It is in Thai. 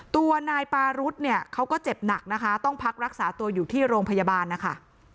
ตัวนายปารุธเนี่ยเขาก็เจ็บหนักนะคะต้องพักรักษาตัวอยู่ที่โรงพยาบาลนะคะ